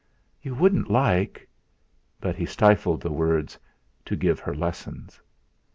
"You wouldn't like " but he stifled the words "to give her lessons."